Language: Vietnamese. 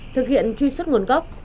thực hiện truy xuất nguồn gốc